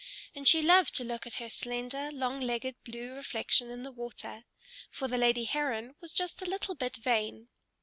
And she loved to look at her slender, long legged blue reflection in the water; for the lady Heron was just a little bit vain.